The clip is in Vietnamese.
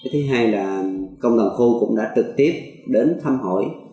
thứ hai là công đoàn khu cũng đã trực tiếp đến thăm hỏi